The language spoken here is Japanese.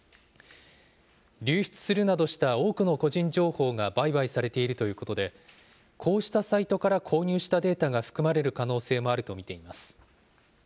流出するなどした多くの個人情報が売買されているということで、こうしたサイトから購入したデータが含まれる可能性もあると見ています。